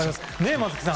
松木さん。